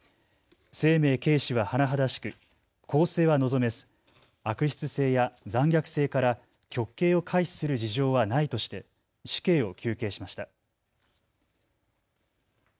生命軽視は甚だしく更生は望めず悪質性や残虐性から極刑を回避する事情はないとして死刑を求刑しました。